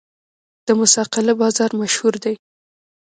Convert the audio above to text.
د موسی قلعه بازار مشهور دی